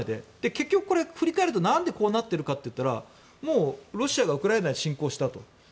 結局、振り返るとなんでこうなっているかと言ったらロシアがウクライナに侵攻したと。